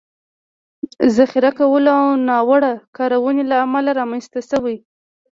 ذخیره کولو او ناوړه کارونې له امله رامنځ ته شوي